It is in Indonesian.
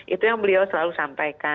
itu yang beliau selalu sampaikan